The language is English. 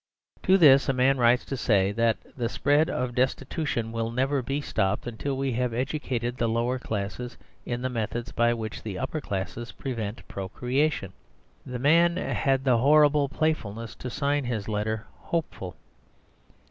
To this a man writes to say that the spread of destitution will never be stopped until we have educated the lower classes in the methods by which the upper classes prevent procreation. The man had the horrible playfulness to sign his letter "Hopeful."